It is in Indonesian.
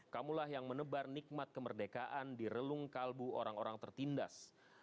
kamulah yang menebar nikmat kemerdekaan di relung kalbu orang orang tertindas